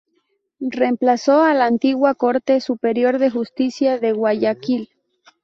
Reemplazó a la antigua Corte Superior de Justicia de Guayaquil.